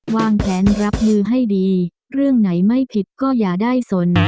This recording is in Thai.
วางแผนรับมือให้ดีเรื่องไหนไม่ผิดก็อย่าได้สน